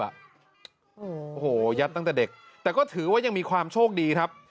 โอ้โหยัดตั้งแต่เด็กแต่ก็ถือว่ายังมีความโชคดีครับ